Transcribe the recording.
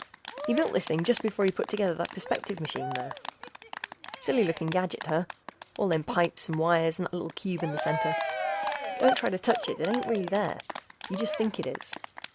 He built this thing just before he put together the perspective machine there. Silly looking gadget, huh? All them pipes and wires and that little cube in the center ... don't try to touch it, it ain't really there. You just think it is.